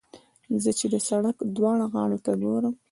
زه چې د سړک دواړو غاړو ته ګورم.